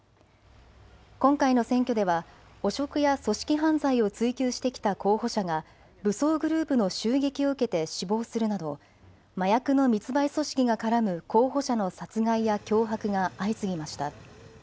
今回の選挙では汚職や組織犯罪を追及してきた候補者が武装グループの襲撃を受けて死亡するなど麻薬の密売組織が絡む候補者の殺害や脅迫が相次ぎました。